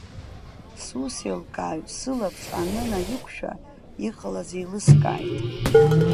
Сусеилкааҩ сылаԥш анынаиқәшәа, иҟалаз еилыскааит.